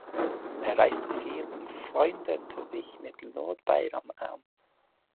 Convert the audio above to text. Er reiste viel und freundete sich mit Lord Byron an.